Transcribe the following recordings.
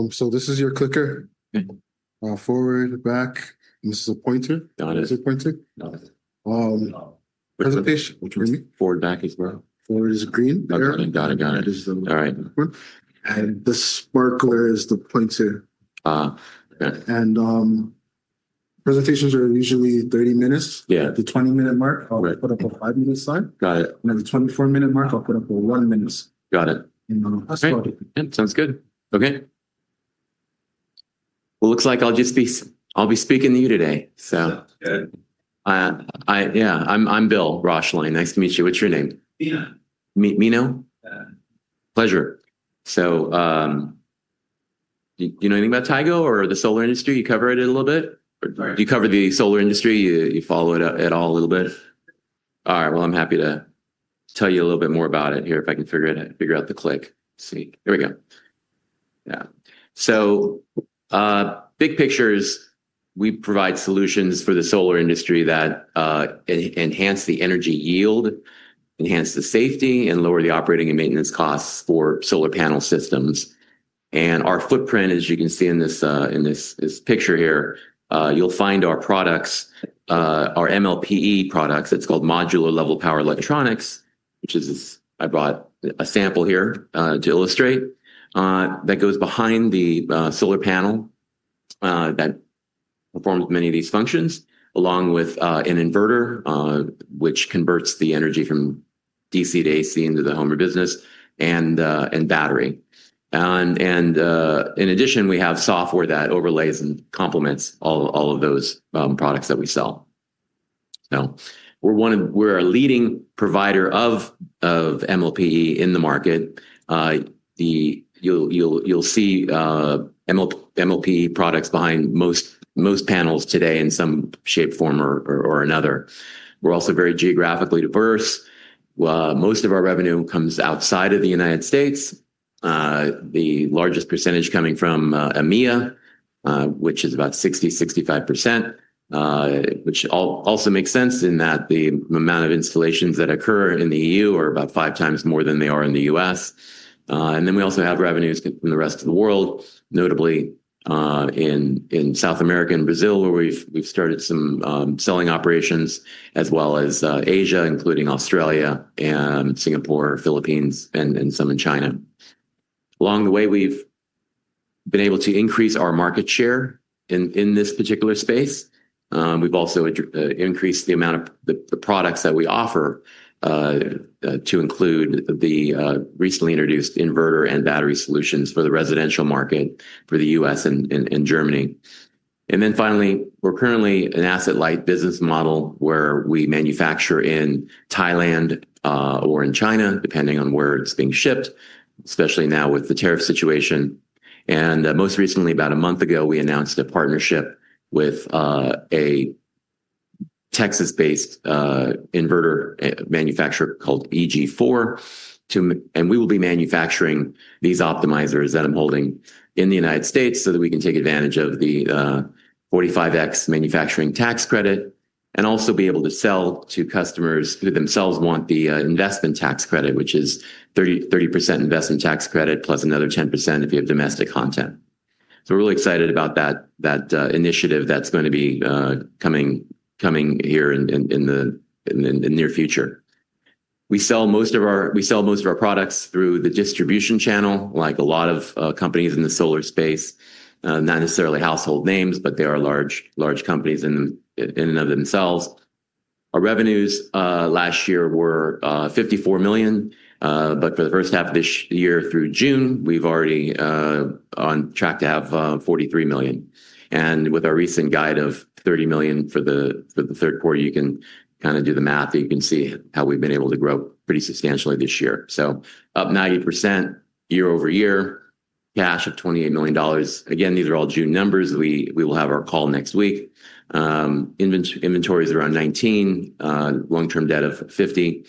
This is your clicker. Okay. Forward, back, and this is a pointer. Got it. Is it a pointer? Got it. Presentation for me? Forward, back as well. Forward is a green? Got it, got it, got it. This is the. All right. The sparkler is the pointer. Okay. Presentations are usually 30 minutes. Yeah. At the 20-minute mark. Right. I'll put up a five-minute slide. Got it. At the 24-minute mark, I'll put up a one-minute slide. Got it. That's about it. Okay. Sounds good. Okay. It looks like I'll just be, I'll be speaking to you today. Sounds good. I'm Bill Roeschlein. Nice to meet you. What's your name? Mina. Mi-Mina? Yeah. Pleasure. Do you know anything about Tigo or the solar industry? You cover it a little bit? Sorry? You cover the solar industry? You follow it at all a little bit? All right. I'm happy to tell you a little bit more about it here if I can figure out the click. Let's see. Here we go. Big picture, we provide solutions for the solar industry that enhance the energy yield, enhance the safety, and lower the operating and maintenance costs for solar panel systems. Our footprint, as you can see in this picture here, you'll find our products, our MLPE products. It's called Module Level Power Electronics, which is this, I brought a sample here to illustrate, that goes behind the solar panel, that performs many of these functions, along with an inverter, which converts the energy from DC to AC into the home or business and battery. In addition, we have software that overlays and complements all of those products that we sell. We're a leading provider of MLPE in the market. You'll see MLPE products behind most panels today in some shape, form, or another. We're also very geographically diverse. Most of our revenue comes outside of the United States, the largest percentage coming from EMEA, which is about 60%-65%, which also makes sense in that the amount of installations that occur in the EU are about 5x more than they are in the U.S. We also have revenues from the rest of the world, notably in South America and Brazil, where we've started some selling operations, as well as Asia, including Australia and Singapore, Philippines, and some in China. Along the way, we've been able to increase our market share in this particular space. We've also increased the amount of the products that we offer to include the recently introduced inverter and battery solutions for the residential market for the U.S. and Germany. Finally, we're currently an asset-light business model where we manufacture in Thailand or in China, depending on where it's being shipped, especially now with the tariff situation. Most recently, about a month ago, we announced a partnership with a Texas-based inverter manufacturer called EG4, and we will be manufacturing these optimizers that I'm holding in the United States so that we can take advantage of the 45X manufacturing tax credit and also be able to sell to customers who themselves want the investment tax credit, which is 30% investment tax credit plus another 10% if you have domestic content. We're really excited about that initiative that's going to be coming here in the near future. We sell most of our products through the distribution channel, like a lot of companies in the solar space, not necessarily household names, but they are large companies in and of themselves. Our revenues last year were $54 million, but for the first half of this year through June, we've already on track to have $43 million. With our recent guide of $30 million for the third quarter, you can kind of do the math and you can see how we've been able to grow pretty substantially this year. Up 90% year-over-year, cash of $28 million. Again, these are all June numbers. We will have our call next week. Inventory is around $19 million, long-term debt of $50 million,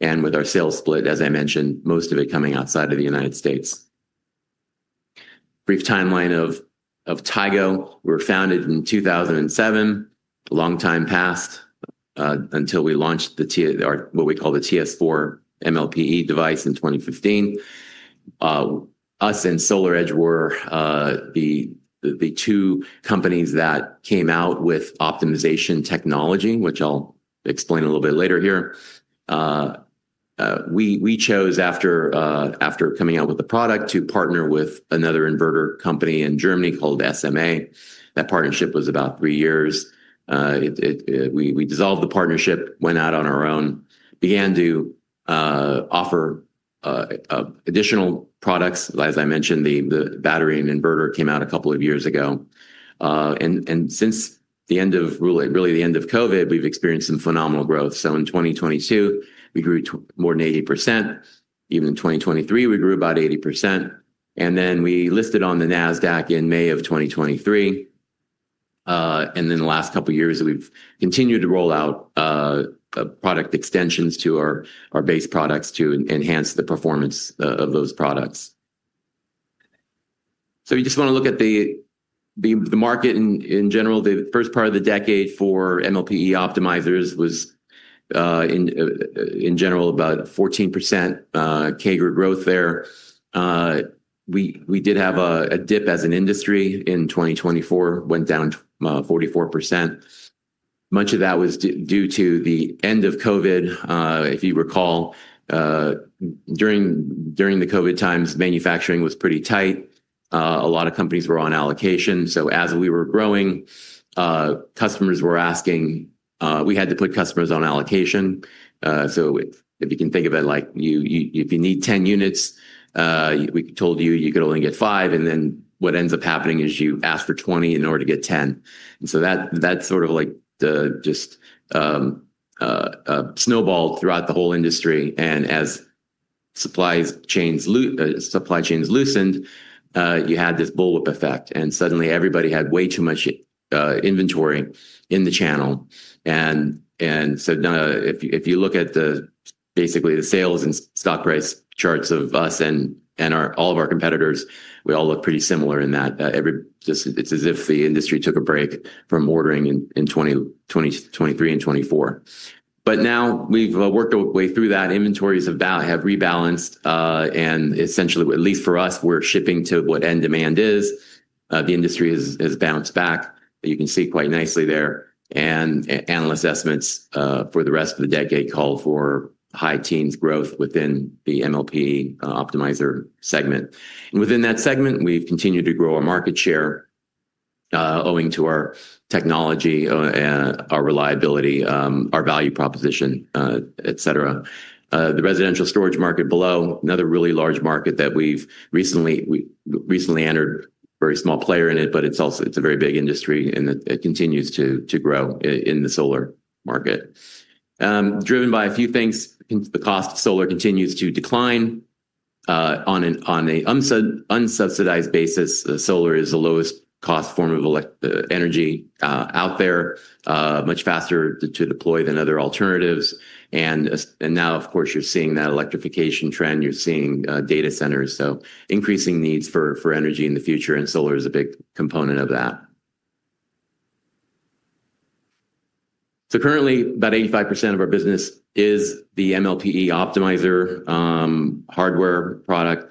and with our sales split, as I mentioned, most of it coming outside of the United States. Brief timeline of Tigo. We were founded in 2007, a long time passed until we launched the TS, or what we call the TS4 MLPE device in 2015. Us and SolarEdge were the two companies that came out with optimization technology, which I'll explain a little bit later here. We chose after coming out with the product to partner with another inverter company in Germany called SMA. That partnership was about three years. We dissolved the partnership, went out on our own, began to offer additional products. As I mentioned, the battery and inverter came out a couple of years ago, and since the end of, really the end of COVID, we've experienced some phenomenal growth. In 2022, we grew more than 80%. Even in 2023, we grew about 80%. We listed on the Nasdaq in May of 2023, and then the last couple of years, we've continued to roll out product extensions to our base products to enhance the performance of those products. You just want to look at the market in general. The first part of the decade for MLPE optimizers was, in general, about 14% CAGR growth there. We did have a dip as an industry in 2024, went down 44%. Much of that was due to the end of COVID. If you recall, during the COVID times, manufacturing was pretty tight. A lot of companies were on allocation. As we were growing, customers were asking, we had to put customers on allocation. If you can think of it like, if you need 10 units, we told you you could only get five, and then what ends up happening is you ask for 20 in order to get 10. That sort of just snowballed throughout the whole industry. As supply chains loosened, you had this bullwhip effect. Suddenly, everybody had way too much inventory in the channel. If you look at basically the sales and stock price charts of us and all of our competitors, we all look pretty similar in that. It's as if the industry took a break from ordering in 2023 and 2024. Now we've worked our way through that. Inventories have rebalanced, and essentially, at least for us, we're shipping to what end demand is. The industry has bounced back. You can see quite nicely there. Analysts' estimates for the rest of the decade call for high teens growth within the MLPE optimizer segment. Within that segment, we've continued to grow our market share, owing to our technology, our reliability, our value proposition, etc. The residential storage market below, another really large market that we've recently entered, a very small player in it, but it's also a very big industry, and it continues to grow in the solar market. Driven by a few things, the cost of solar continues to decline. On an unsubsidized basis, solar is the lowest cost form of electric energy out there, much faster to deploy than other alternatives. Now, of course, you're seeing that electrification trend. You're seeing data centers. Increasing needs for energy in the future, and solar is a big component of that. Currently, about 85% of our business is the MLPE optimizer hardware product.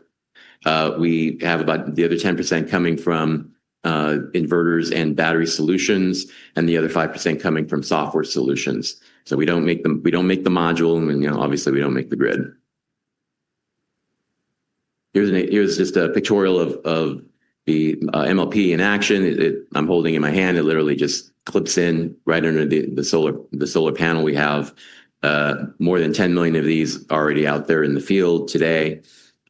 We have about the other 10% coming from inverters and battery solutions, and the other 5% coming from software solutions. We don't make them, we don't make the module, and, you know, obviously, we don't make the grid. Here's just a pictorial of the MLPE in action. I'm holding in my hand. It literally just clips in right under the solar panel. We have more than 10 million of these already out there in the field today.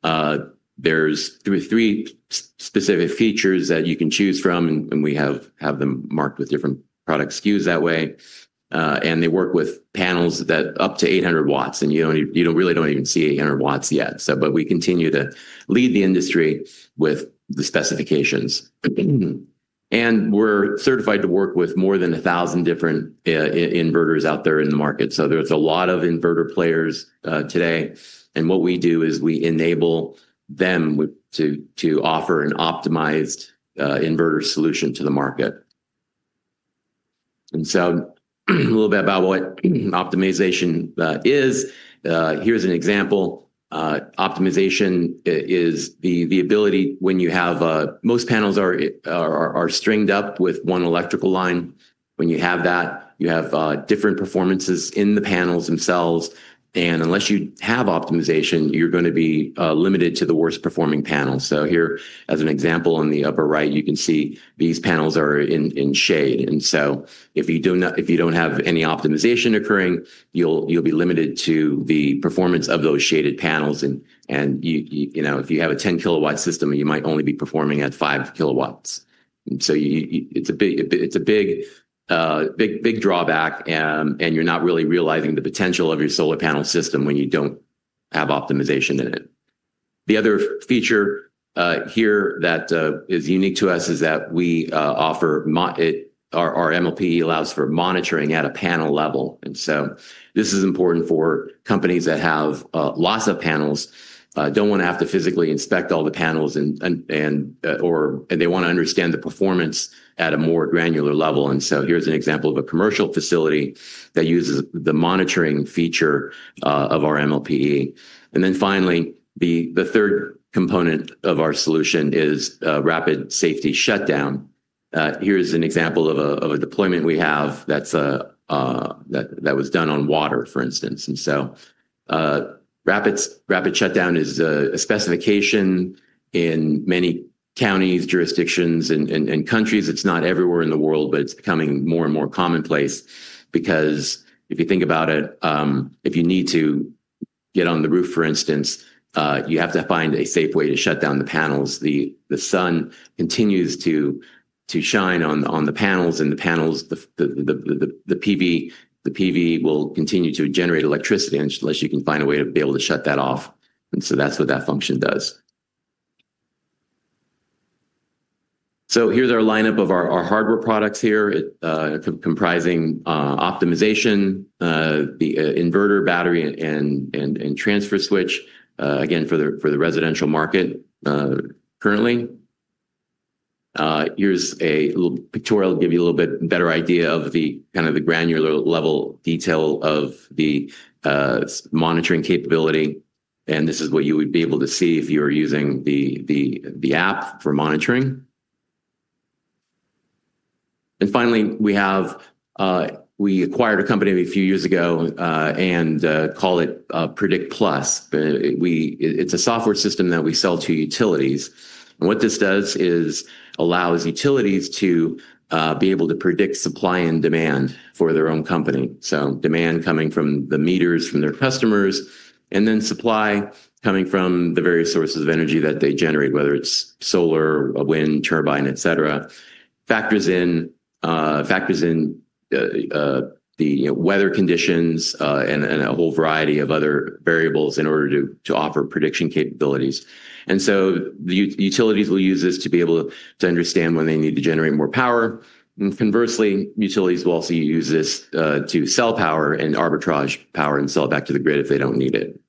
There are three specific features that you can choose from, and we have them marked with different product SKUs that way. They work with panels up to 800 W, and you don't really even see 800 W yet, but we continue to lead the industry with the specifications. We're certified to work with more than 1,000 different inverters out there in the market. There are a lot of inverter players today. What we do is we enable them to offer an optimized inverter solution to the market. A little bit about what optimization is. Here's an example. Optimization is the ability when you have most panels are stringed up with one electrical line. When you have that, you have different performances in the panels themselves. Unless you have optimization, you're going to be limited to the worst performing panel. Here, as an example, on the upper right, you can see these panels are in shade. If you don't have any optimization occurring, you'll be limited to the performance of those shaded panels. If you have a 10 kW system, you might only be performing at 5 kW. It's a big, big, big drawback, and you're not really realizing the potential of your solar panel system when you don't have optimization in it. The other feature here that is unique to us is that we offer it, our MLPE allows for monitoring at a panel level. This is important for companies that have lots of panels, don't want to have to physically inspect all the panels, and they want to understand the performance at a more granular level. Here's an example of a commercial facility that uses the monitoring feature of our MLPE. Finally, the third component of our solution is rapid safety shutdown. Here's an example of a deployment we have that was done on water, for instance. Rapid shutdown is a specification in many counties, jurisdictions, and countries. It's not everywhere in the world, but it's becoming more and more commonplace because if you think about it, if you need to get on the roof, for instance, you have to find a safe way to shut down the panels. The sun continues to shine on the panels, and the panels, the PV will continue to generate electricity unless you can find a way to be able to shut that off. That's what that function does. Here's our lineup of our hardware products here, comprising optimization, the inverter, battery, and transfer switch, again for the residential market, currently. Here's a little pictorial to give you a little bit better idea of the kind of the granular level detail of the monitoring capability. This is what you would be able to see if you were using the app for monitoring. Finally, we have, we acquired a company a few years ago, and call it Predict+. It's a software system that we sell to utilities. What this does is allows utilities to be able to predict supply and demand for their own company. Demand coming from the meters from their customers, and then supply coming from the various sources of energy that they generate, whether it's solar, wind, turbine, etc. Factors in the weather conditions, and a whole variety of other variables in order to offer prediction capabilities. The utilities will use this to be able to understand when they need to generate more power. Conversely, utilities will also use this to sell power and arbitrage power and sell it back to the grid if they don't need it.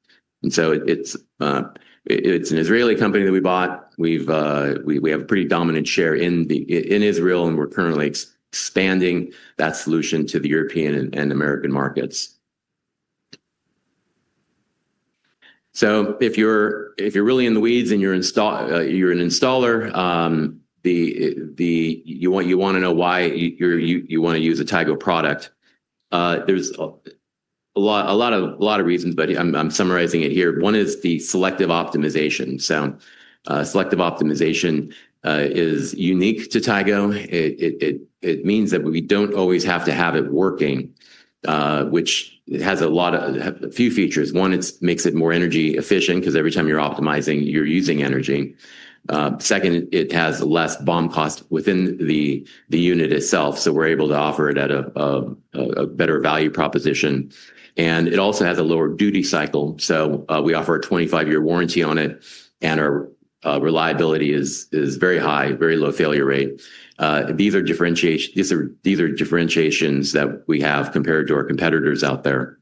It's an Israeli company that we bought. We have a pretty dominant share in Israel, and we're currently expanding that solution to the European and American markets. If you're really in the weeds and you're an installer, you want to know why you want to use a Tigo product. There's a lot of reasons, but I'm summarizing it here. One is the selective optimization. Selective optimization is unique to Tigo. It means that we don't always have to have it working, which has a few features. One, it makes it more energy efficient because every time you're optimizing, you're using energy. Second, it has less BOM cost within the unit itself. We're able to offer it at a better value proposition. It also has a lower duty cycle. We offer a 25-year warranty on it, and our reliability is very high, very low failure rate. These are differentiations that we have compared to our competitors out there.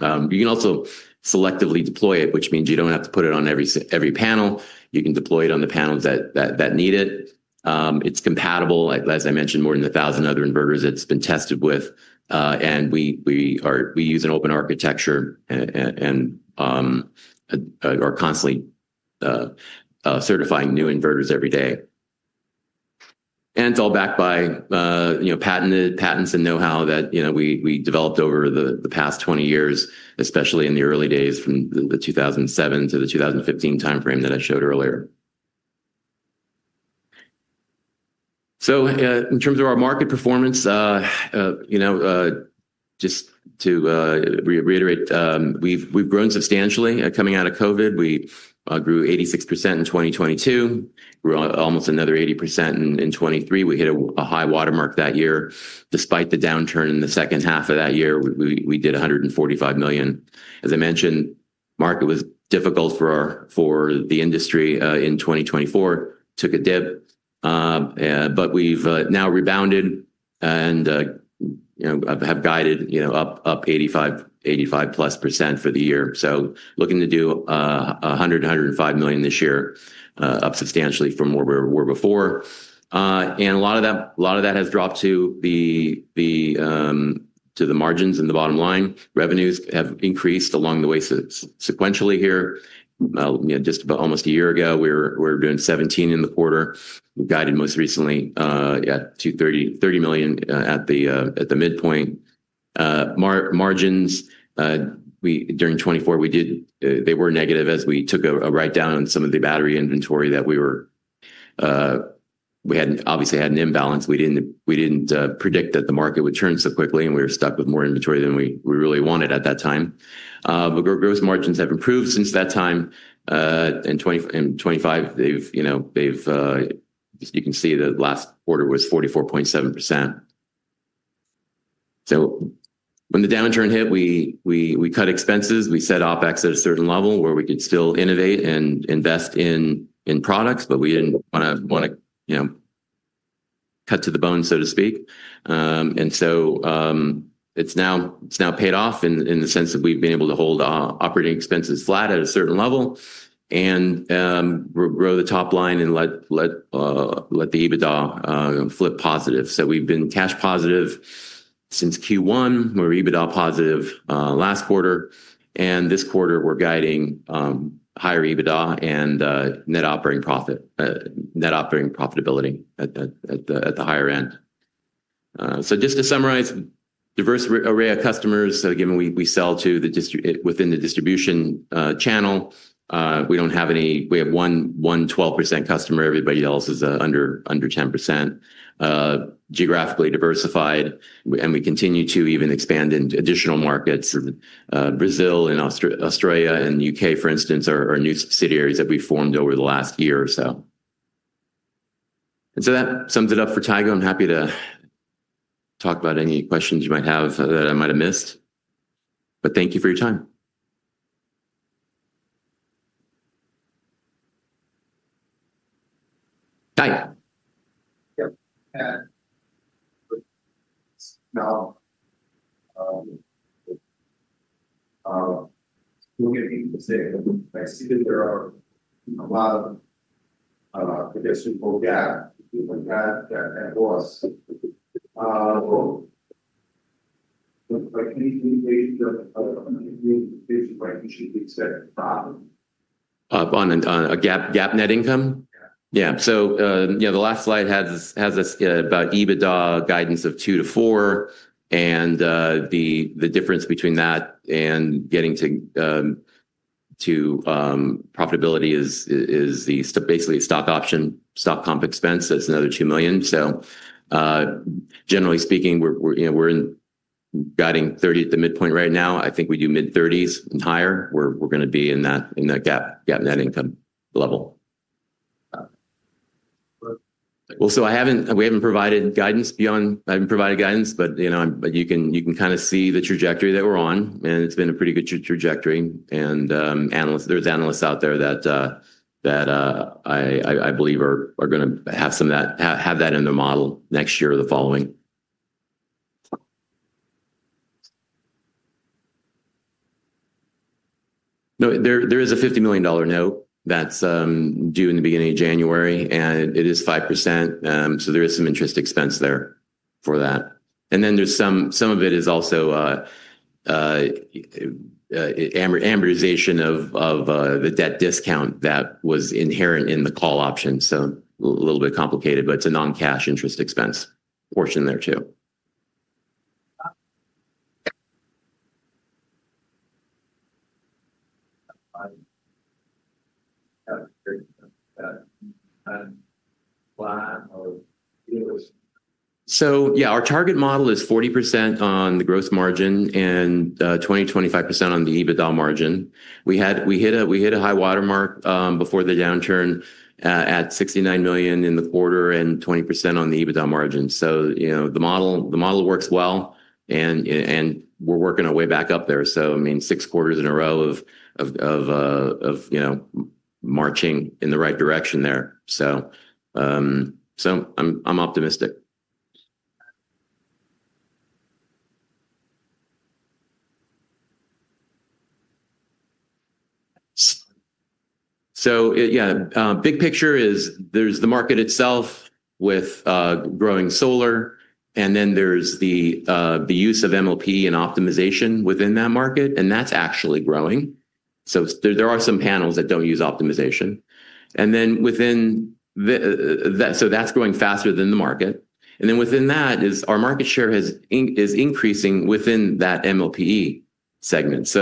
You can also selectively deploy it, which means you don't have to put it on every panel. You can deploy it on the panels that need it. It's compatible, as I mentioned, with more than 1,000 other inverters it's been tested with. We use an open architecture and are constantly certifying new inverters every day. It's all backed by patented patents and know-how that we developed over the past 20 years, especially in the early days from the 2007 to the 2015 timeframe that I showed earlier. In terms of our market performance, just to reiterate, we've grown substantially coming out of COVID. We grew 86% in 2022. We're almost another 80% in 2023. We hit a high watermark that year. Despite the downturn in the second half of that year, we did $145 million. As I mentioned, the market was difficult for the industry in 2024. It took a dip. We've now rebounded and have guided up 85%+ for the year. Looking to do $100 million-$105 million this year, up substantially from where we were before. A lot of that has dropped to the margins and the bottom line. Revenues have increased along the way sequentially here. Just about almost a year ago, we were doing $17 million in the quarter. We guided most recently to $30 million at the midpoint. Margins during 2024 were negative as we took a write-down on some of the battery inventory that we hadn't obviously had an imbalance. We didn't predict that the market would turn so quickly, and we were stuck with more inventory than we really wanted at that time. Gross margins have improved since that time. In 2025, you can see the last quarter was 44.7%. When the downturn hit, we cut expenses. We set OpEx at a certain level where we could still innovate and invest in products, but we didn't want to cut to the bone, so to speak. It's now paid off in the sense that we've been able to hold operating expenses flat at a certain level and grow the top line and let the EBITDA flip positive. We've been cash positive since Q1. We were EBITDA positive last quarter. This quarter, we're guiding higher EBITDA and net operating profit, net operating profitability at the higher end. Just to summarize, diverse array of customers, given we sell within the distribution channel. We have one 12% customer. Everybody else is under 10%. Geographically diversified, and we continue to even expand in additional markets. Brazil, Australia, and the U.K., for instance, are new subsidiaries that we formed over the last year or so. That sums it up for Tigo. I'm happy to talk about any questions you might have that I might have missed. Thank you for your time. It's still getting me to say it, but I see that there are a lot of additional gaps that costs. [inaudible] Can you communicate to the communication by issue the except profit? On a GAAP net income? [inaudible] Yeah. Yeah. The last slide has us about EBITDA guidance of $2 million-$4 million, and the difference between that and getting to profitability is basically a stock option, stock comp expense. That's another $2 million. Generally speaking, we're guiding $30 million at the midpoint right now. I think we do mid-$30 million and higher. We're going to be in that GAAP net income level. [inaudible] Got it. I haven't provided guidance beyond, but you know, you can kind of see the trajectory that we're on, and it's been a pretty good trajectory. Analysts, there's analysts out there that I believe are going to have some of that in their model next year or the following. There is a $50 million note that's due in the beginning of January, and it is 5%, so there is some interest expense there for that. Some of it is also amortization of the debt discount that was inherent in the call option. It's a little bit complicated, but it's a non-cash interest expense portion there too. [inaudible] Got it. Our target model is 40% on the gross margin and 20%-25% on the EBITDA margin. We hit a high watermark before the downturn at $69 million in the quarter and 20% on the EBITDA margin. The model works well, and we're working our way back up there. Six quarters in a row of marching in the right direction there. I'm optimistic. Big picture is there's the market itself with growing solar, and then there's the use of MLPE and optimization within that market, and that's actually growing. There are some panels that don't use optimization. Within that, that's growing faster than the market. Within that, our market share is increasing within that MLPE segment.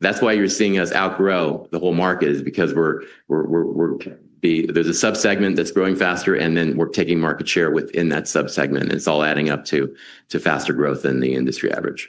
That's why you're seeing us outgrow the whole market, because there's a subsegment that's growing faster, and then we're taking market share within that subsegment. It's all adding up to faster growth than the industry average.